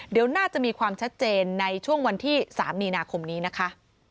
เดี๋ยวน่าจะมีความชัดเจนในช่วงวันที่๓มีนาคมนี้นะคะ